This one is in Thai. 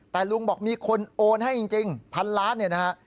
แต่ลุงบอกมีคนโอนให้จริง๑๐๐๐ล้านบาท